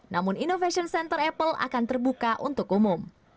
namun innovation center apple akan terbuka untuk umum